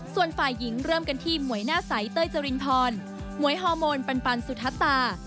ส่วนฝ่ายหญิงเริ่มกันที่หมวยหน้าใสเต้ยจรินพรหมวยฮอร์โมนปันสุธตา